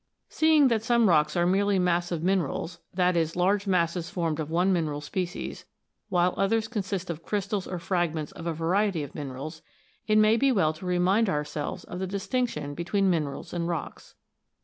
Seeing that some rocks are merely massive minerals, that is, large masses formed of one mineral species, while others consist of crystals or fragments of a variety of minerals, it may be well to remind ourselves of the distinction between minerals and rocks.